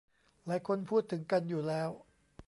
หลายคนพูดถึงกันอยู่แล้ว